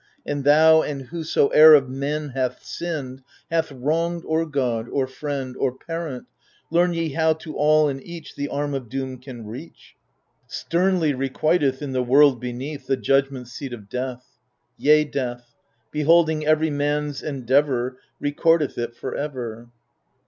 And thou and whosoe'er of men hath sinned— ~ Hath wronged or God, or friend. Or parent, — ^leam ye how to all and eadi The arm of doom can reach ! Sternly requiteth, in the world beneath, The judgment seat of Death ; Yea, Death, beholding every man's endeavour, Recordeth it for ever.